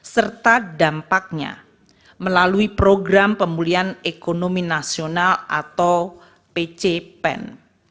serta dampaknya melalui program pemulihan ekonomi nasional atau pcpen